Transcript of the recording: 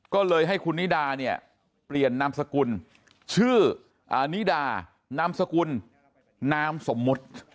ก็เลยให้คุณนิดาเนี่ยเปลี่ยนนามสกุลชื่ออานิดานามสกุลนามสมมุติ